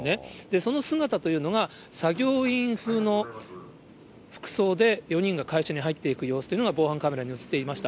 その姿というのが、作業員風の服装で、４人が会社に入っていく様子というのが、防犯カメラに写っていました。